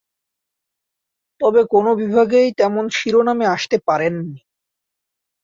তবে কোন বিভাগেই তেমন শিরোনামে আসতে পারেননি।